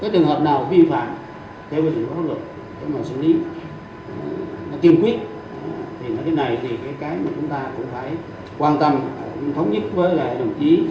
thì nói thế này thì cái mà chúng ta cũng phải quan tâm thống nhất với lại đồng chí